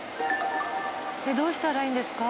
どうしたらいいんですか？